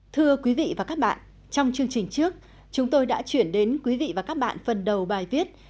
thưa quý vị và các bạn trong chương trình trước chúng tôi đã chuyển đến quý vị và các bạn phần đầu bài viết